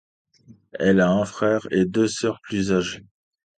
Elle a un frère et deux sœurs plus âgés.